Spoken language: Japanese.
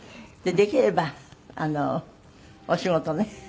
できればお仕事ね